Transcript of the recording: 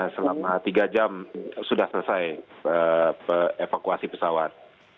selama tiga jam sudah selesai evakuasi pesawat